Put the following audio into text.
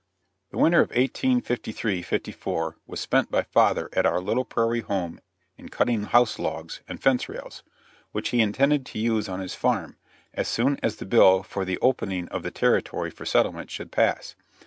The winter of 1853 54 was spent by father at our little prairie home in cutting house logs and fence rails, which he intended to use on his farm, as soon as the bill for the opening of the territory for settlement should pass.